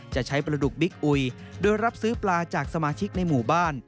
จะใช้ปลาดุกบิ๊กอุยโดยรับซื้อปลาจากสมาชิกในหมู่บ้าน